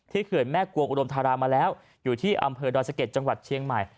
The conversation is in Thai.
เขื่อนแม่กวงอุดมธารามาแล้วอยู่ที่อำเภอดอยสะเก็ดจังหวัดเชียงใหม่